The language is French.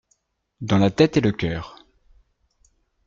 Dans la tête et le cœur.